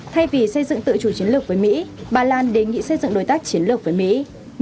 thay vì xây dựng tự chủ chiến lược với mỹ bà lan đề nghị xây dựng đối tác chiến lược với mỹ